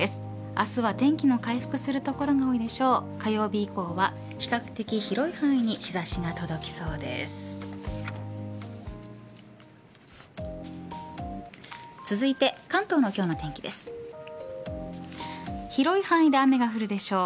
明日は天気の回復する所が多いでしょう。